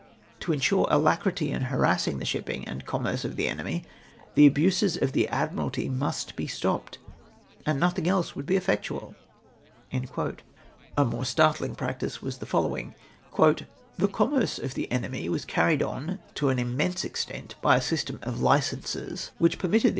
To insure alacrity in harassing the shipping and commerce of the enemy, the abuses of the Admiralty must be stopped, and nothing else would be effectual." A more startling practice Avas the following :—" The commerce of tlie enemy was carried on to an im luense extent by a system of licenses, which permitted the CORROBORATED BY GEORGE ROSE.